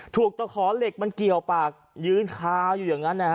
ตะขอเหล็กมันเกี่ยวปากยืนคาอยู่อย่างนั้นนะฮะ